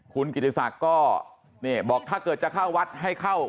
คุณกิติศักดิ์ก็บอกถ้าเกิดจะเข้าวัดให้เข้า